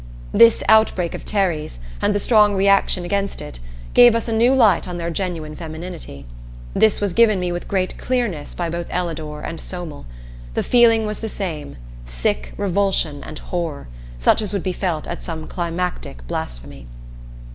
This outbreak of Terry's, and the strong reaction against it, gave us a new light on their genuine femininity. This was given me with great clearness by both Ellador and Somel. The feeling was the same sick revulsion and horror, such as would be felt at some climactic blasphemy.